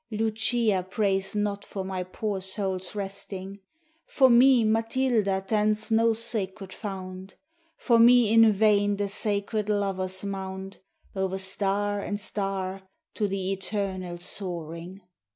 Lucia prays not for my poor soul's resting; For me Matilda tends no sacred fount; For me in vain the sacred lovers mount, O'er star and star, to the eternal soaring.